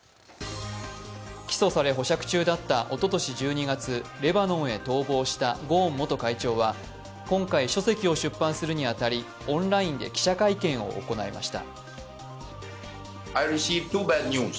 起訴され、保釈中だったおととし１２月、レバノンへ逃亡したレバノンへ逃亡したゴーン元会長は今回、書籍を出版するに当たり、オンラインで記者会見を行いました。